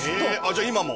じゃあ今も？